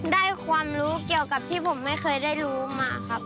ได้ความรู้เกี่ยวกับที่ผมไม่เคยได้รู้มาครับ